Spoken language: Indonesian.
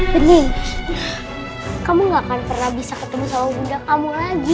hening kamu gak akan pernah bisa ketemu sama muda kamu lagi